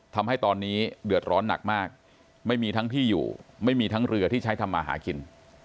ทำให้ตอนนี้เดือดร้อนหนักมากไม่มีทั้งที่อยู่ไม่มีทั้งเรือที่ใช้ทำมาหากิน